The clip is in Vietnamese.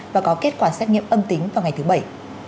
và có kết quả xét nghiệm âm tính vào ngày thứ bảy